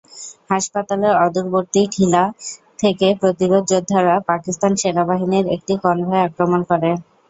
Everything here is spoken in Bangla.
হাসপাতালের অদূরবর্তী টিলা থেকে প্রতিরোধ যোদ্ধারা পাকিস্তান সেনাবাহিনীর একটি কনভয়ে আক্রমণ করে।